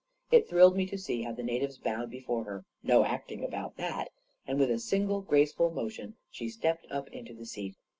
It thrilled me to see how the natives bowed before her — no acting about that. And with a single grace ful motion, she stepped up into the seat.